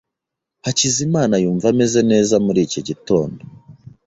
Hakizimana yumva ameze neza muri iki gitondo.